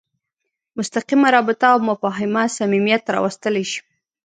مستقیمه رابطه او مفاهمه صمیمیت راوستلی شي.